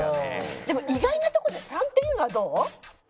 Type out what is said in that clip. でも意外なとこで３っていうのはどう？